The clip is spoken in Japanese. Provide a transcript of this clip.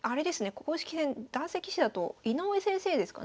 公式戦男性棋士だと井上先生ですかね。